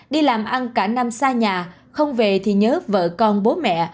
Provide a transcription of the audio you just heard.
đi làm ăn cả năm xa nhà không về thì nhớ vợ con bố mẹ